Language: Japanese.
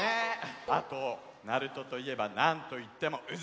あと鳴門といえばなんといっても「うずしお」だよね。